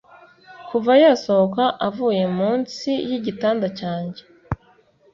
Kuva yasohoka avuye munsi yigitanda cyanjye